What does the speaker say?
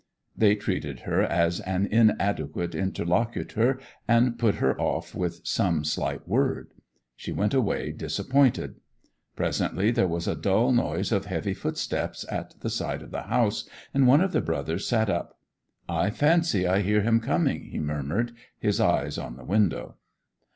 They treated her as an inadequate interlocutor, and put her off with some slight word. She went away disappointed. Presently there was a dull noise of heavy footsteps at the side of the house, and one of the brothers sat up. 'I fancy I hear him coming,' he murmured, his eyes on the window.